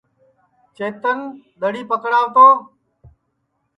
چیتن دؔڑی پکڑاو تو